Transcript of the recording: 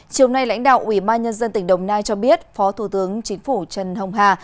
chiều nay lãnh đạo ủy ban nhân dân tỉnh đồng nai cho biết phó thủ tướng chính phủ trần hồng hà